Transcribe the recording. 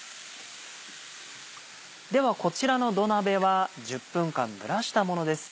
ではこちらの土鍋は１０分間蒸らしたものです。